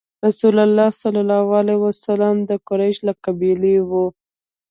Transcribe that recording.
رسول الله ﷺ د قریش له قبیلې وو.